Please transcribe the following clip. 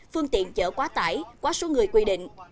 phương tiện chở quá tải quá số người quy định